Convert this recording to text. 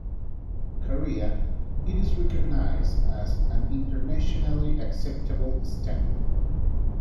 Korea, it is recognised as an internationally acceptable standard.